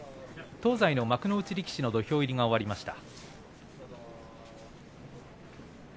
東西の幕内力士の土俵入りが終わりました。